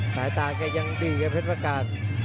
สายตาแกยังดีครับเพชรประการ